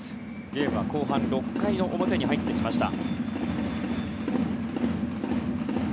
ゲームは後半６回の表に入りました。